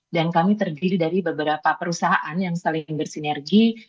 dan kami terdiri dari beberapa perusahaan yang saling bersinergi